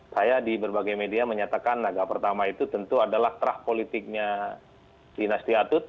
saya di berbagai media menyatakan naga pertama itu tentu adalah terah politiknya dinasti atut